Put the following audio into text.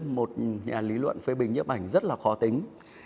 một nhà lý luận phê bình nhấp ảnh rất là khó tính